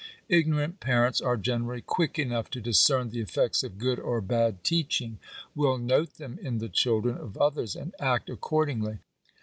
Ignorant parents are generally quick enough to discern the effects of good or bad teaching; will note them in the children of others, and act accordingly.